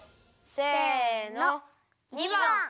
せの②ばん！